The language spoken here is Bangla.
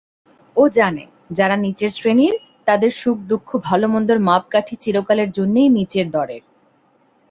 ও জানে, যারা নীচের শ্রেণীর, তাদের সুখদুঃখ-ভালোমন্দর মাপকাঠি চিরকালের জন্যেই নীচের দরের।